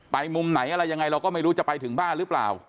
มุมไหนอะไรยังไงเราก็ไม่รู้จะไปถึงบ้านหรือเปล่า